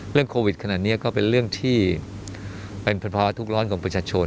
โควิดขนาดนี้ก็เป็นเรื่องที่เป็นภาวะทุกร้อนของประชาชน